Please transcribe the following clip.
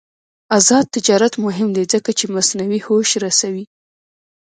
آزاد تجارت مهم دی ځکه چې مصنوعي هوش رسوي.